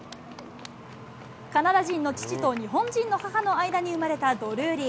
カナダ人の父と日本人の母の間に生まれたドルーリー。